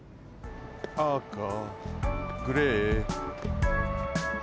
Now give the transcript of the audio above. あかグレー。